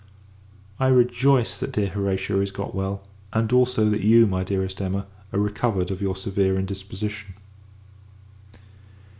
I rejoice that dear Horatia is got well; and, also, that you, my dearest Emma, are recovered of your severe indisposition.